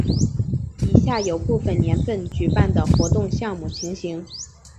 以下有部分年份举办的活动项目情形。